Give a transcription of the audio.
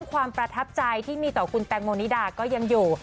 ความประทับใจที่มีต่อคุณแตงโมนิดาก็ยังอยู่